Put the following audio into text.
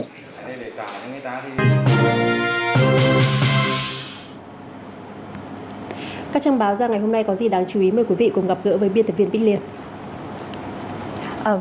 các trang báo ra ngày hôm nay có gì đáng chú ý mời quý vị cùng gặp gỡ với biên tập viên bích liên